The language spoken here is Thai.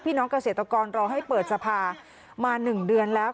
พี่น้องเกษตรกรรมรอให้เปิดสภามาหนึ่งเดือนแล้ว